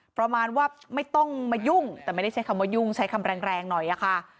ประมาณว่าไม่ต้องมายุ่งแต่ไม่ได้ใช้คำว่ายุ่งใช้คำแรงแรงหน่อยอะค่ะ